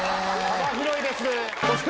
幅広いですね！